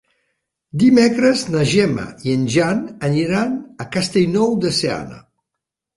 Dimecres na Gemma i en Jan aniran a Castellnou de Seana.